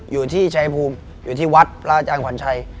อยู่ที่ชายภูมิอยู่ที่วัดพระอาจารย์ขวัญชัย